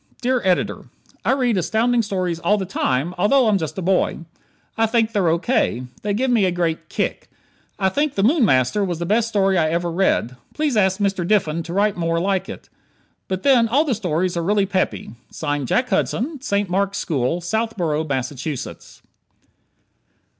_ Dear Editor: I read Astounding Stories all the time, although I'm just a boy. I think they're O. K. They give me a great "kick." I think "The Moon Master" was the best story I ever read. Please ask Mr. Diffin to write more like it. But then all the stories are really peppy. Jack Hudson, St. Mark's School, Southborough, Massachusetts.